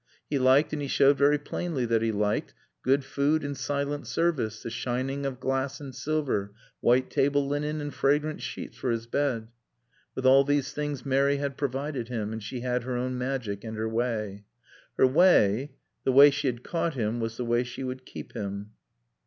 He liked and he showed very plainly that he liked, good food and silent service, the shining of glass and silver, white table linen and fragrant sheets for his bed. With all these things Mary had provided him. And she had her own magic and her way. Her way, the way she had caught him, was the way she would keep him.